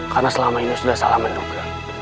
karena selama ini kau sudah salah menduga